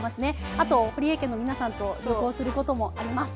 あとほりえ家の皆さんと旅行することもあります。